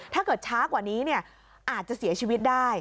ถ้าเกิดช้ากว่านี้อาจจะเสียชีวิตได้